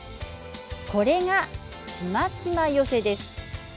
これが、ちまちま寄せです。